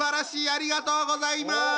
ありがとうございます！